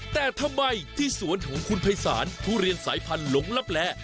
แต่ทำไมที่สวนของคุณภัยศาลทุเรียนสายพันธุ์หลงลับแล